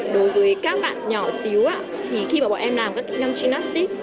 đối với các bạn nhỏ xíu thì khi mà bọn em làm các kỹ năng glastic